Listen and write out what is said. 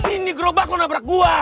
ini gerobak lu nabrak gue